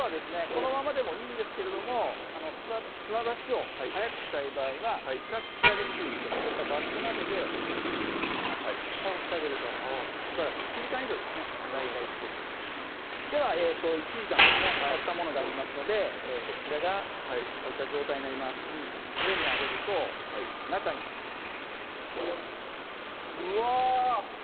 このままでもいいんですけれども砂出しを早くしたい場合は暗くしてあげるといいのでこういったバットなどでふたをしてあげるとしばらく１時間以上ですね大体つけていくとではえっと１時間ですねたったものがありますのでそちらがこういった状態になります上に上げると中にうわ！